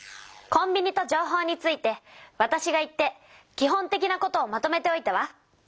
コンビニと情報についてわたしが行ってき本的なことをまとめておいたわ。